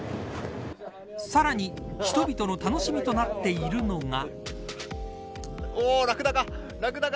さらに人々の楽しみとなっているのが。